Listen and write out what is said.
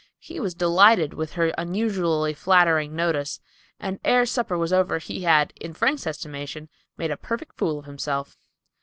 He was delighted with her unusually flattering notice; and ere supper was over he had, in Frank's estimation, made a perfect fool of himself.